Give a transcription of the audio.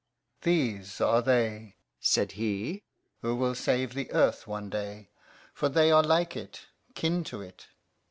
"These are they," said he, "who will save the earth one day, for they are like it, kin to it.